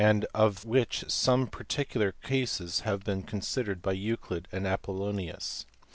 and of which some particular cases had been considered by Euclid and Apollonius.